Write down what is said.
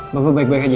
bapak baik baik aja